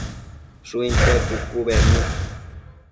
Shuinte pucu bednu